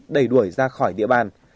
đẩy đuổi ra khỏi địa bàn